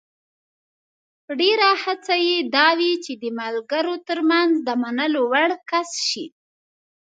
ډېره هڅه یې دا وي چې د ملګرو ترمنځ د منلو وړ کس شي.